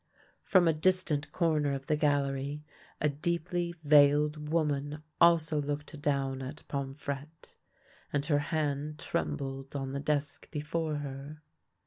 From a distant corner of the gallery a deeply veiled woman also looked down at Pomfrette, and her hand trembled on the desk before her.